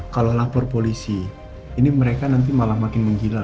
kalau lapor polisi ini mereka nanti malah makin menghilang